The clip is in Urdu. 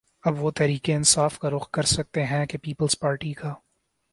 اب وہ تحریک انصاف کا رخ کر سکتے ہیں کہ پیپلز پارٹی کا